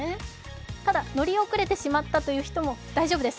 ただ、乗り遅れてしまったという人も大丈夫です。